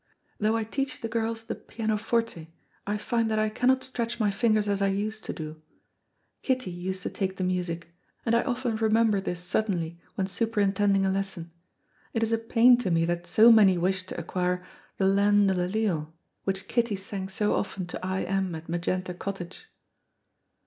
"Though I teach the girls the pianoforte I find that I cannot stretch my fingers as I used to do. Kitty used to take the music, and I often remember this suddenly when superintending a lesson. It is a pain to me that so many wish to acquire 'The Land o' the Leal,' which Kitty sang so often to I M at Magenta Cottage."